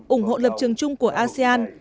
ủng hộ lập trường chung của asean